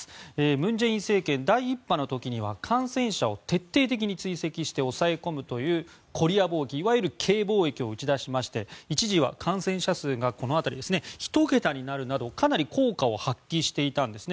文在寅政権第１波の時は感染者を徹底的に追跡して抑え込むというコリア防疫、いわゆるＫ防疫を打ち出しまして一時は感染者数がひと桁になるなどかなり効果を発揮していたんですね。